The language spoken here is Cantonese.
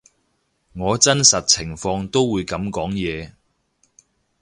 我真實情況都會噉講嘢